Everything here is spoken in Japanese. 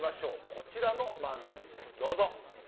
こちらの漫才師です。